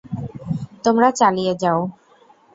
তোমরা চালিয়ে যাও!